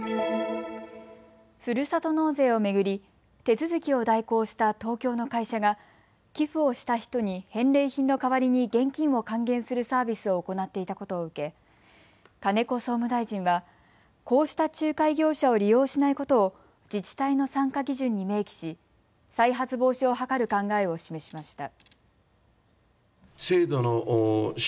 ふるさと納税を巡り手続きを代行した東京の会社が寄付をした人に返礼品の代わりに現金を還元するサービスを行っていたことを受け金子総務大臣はこうした仲介業者を利用しないことを自治体の参加基準に明記し再発防止を図る考えを示しました。